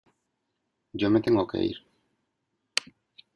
yo me tengo que ir.